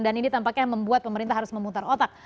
dan ini tampaknya membuat pemerintah harus memutar otak